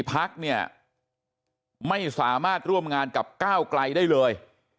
พักเนี่ยไม่สามารถร่วมงานกับก้าวไกลได้เลย